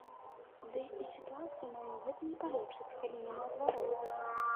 Ды і сітуацыю маю гэта не палепшыць, калі не наадварот.